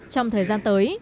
trong thời gian tới